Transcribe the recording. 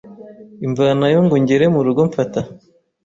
imvanayo ngo ngere mu rugo mfata